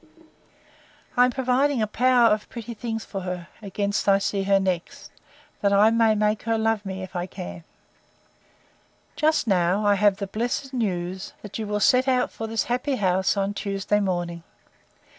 I am providing a power of pretty things for her, against I see her next, that I may make her love me, if I can. Just now I have the blessed news, that you will set out for this happy house on Tuesday morning.